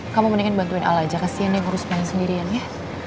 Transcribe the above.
kamu mendingan bantuin al aja kasihan dia ngurus bank sendirian ya